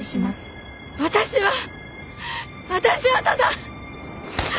私は私はただ！